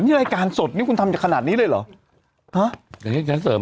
นี่รายการสดนี่คุณทำจากขนาดนี้เลยหรือ